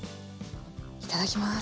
いただきます。